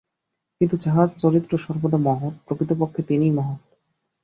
কিন্তু যাঁহার চরিত্র সর্বদা মহৎ, প্রকৃতপক্ষে তিনিই মহৎ।